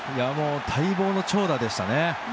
待望の長打でしたね。